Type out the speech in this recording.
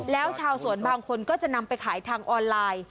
แล้วชาวสวนบางคนก็จะนำไปขายทางออนไลน์